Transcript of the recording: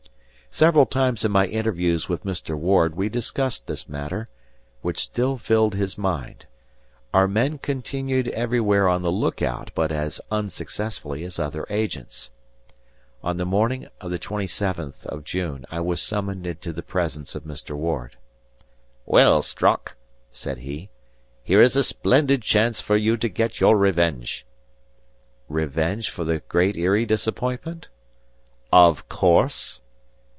Several times in my interviews with Mr. Ward, we discussed this matter, which still filled his mind. Our men continued everywhere on the lookout, but as unsuccessfully as other agents. On the morning of the twenty seventh of June, I was summoned into the presence of Mr. Ward. "Well, Strock," said he, "here is a splendid chance for you to get your revenge." "Revenge for the Great Eyrie disappointment?" "Of course."